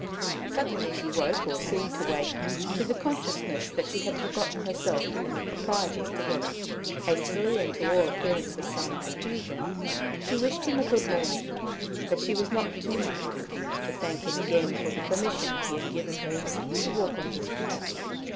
Suddenly she woke, or seemed to wake, to the consciousness that she had forgotten herself and the proprieties together: hastily, and to all appearance with some confusion, she wished him a good morning; but she was not too much confused to thank him again for the permission he had given her to walk on his ground.